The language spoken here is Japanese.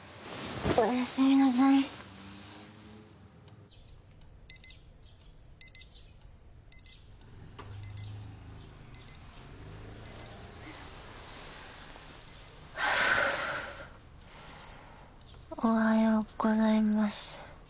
おはようございます。